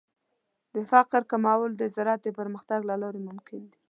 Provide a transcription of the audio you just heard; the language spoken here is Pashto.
د فقر کمول د زراعت د پرمختګ له لارې ممکن دي.